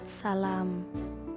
tidak ada korepot